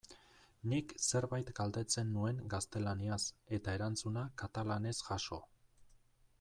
Nik zerbait galdetzen nuen gaztelaniaz eta erantzuna katalanez jaso.